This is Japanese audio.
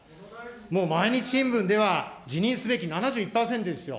もう毎日新聞では辞任すべき７１％ですよ。